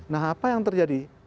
nah apa yang terjadi